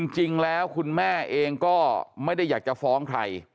จริงแล้วคุณแม่เองก็ไม่ได้อยากจะฟ้องใคร